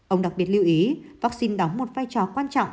ông đặc biệt lưu ý vaccine đóng một vai trò quan trọng